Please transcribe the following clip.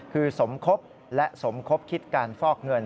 คือสมคบและสมคบคิดการฟอกเงิน